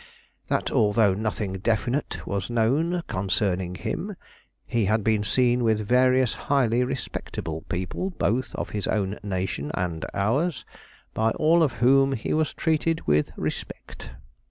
That, although nothing definite was known concerning him, he had been seen with various highly respectable people, both of his own nation and ours, by all of whom he was treated with respect.